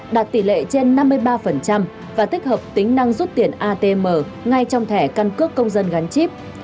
đạt tỷ lệ trên năm mươi ba và tích hợp tính năng rút tiền atm ngay trong thẻ căn cước công dân gắn chip